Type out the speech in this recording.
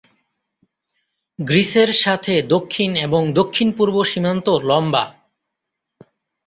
গ্রিসের সাথে দক্ষিণ এবং দক্ষিণ-পূর্ব সীমান্ত লম্বা।